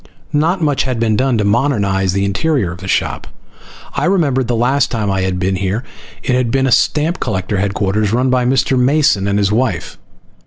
Not much had been done to modernize the interior of the shop. I remembered that the last time I had been here it had been a stamp collector headquarters run by Mr. Mason and his wife.